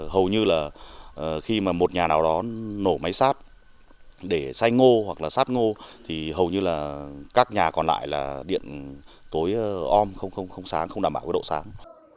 hầu như là khi mà một nhà nào đó nổ máy sát để say ngô hoặc là sát ngô thì hầu như là các nhà còn lại là điện tối ôm không sáng không đảm bảo cái độ sáng